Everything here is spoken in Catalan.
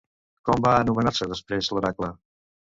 Com va anomenar-se després l'oracle?